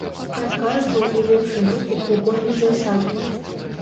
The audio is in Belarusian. Адказваў у лепшым выпадку кожны дзясяты.